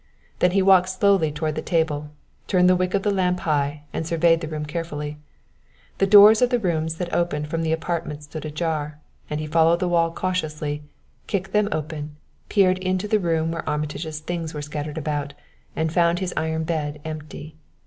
Then he walked slowly toward the table, turned the wick of the lamp high, and surveyed the room carefully. The doors of the rooms that opened from the apartment stood ajar; he followed the wall cautiously, kicked them open, peered into the room where Armitage's things were scattered about, and found his iron bed empty.